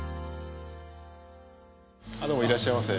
どうもいらいっしゃいませ。